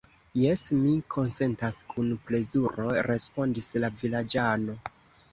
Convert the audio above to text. Jes, mi konsentas kun plezuro, respondis la vilaĝano.